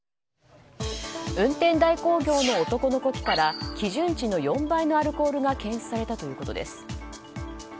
運転代行業の男の呼気から基準値の４倍のアルコールが検出されたということです。